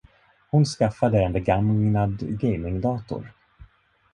Hon skaffade en begagnad gamingdator.